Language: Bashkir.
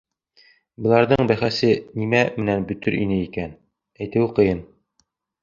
Быларҙың бәхәсе нимә менән бөтөр ине икән, әйтеүе ҡыйын.